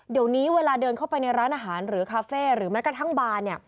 เดี๋ยวนี้เวลาเดินเข้าไปในร้านอาหารหรือคาเฟ่หรือแม้กระทั่งบาน